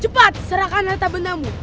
cepat serahkan harta benamu